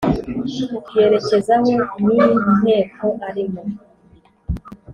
yerekezaho ni nteko arimo.